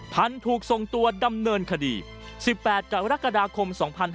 พันธุ์ถูกทรงตัวดำเนินคดี๑๘กับรักษาคม๒๕๓๙